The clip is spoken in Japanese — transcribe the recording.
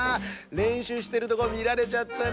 れんしゅうしてるとこみられちゃったな。